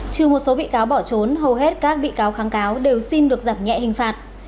trừ một số bị cáo bỏ trốn hầu hết các bị cáo kháng cáo đều xin được giảm nhẹ hình phạt